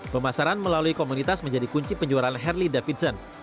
pemasaran melalui komunitas menjadi kunci penjualan harley davidson